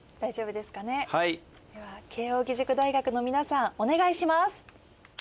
では慶応義塾大学の皆さんお願いします。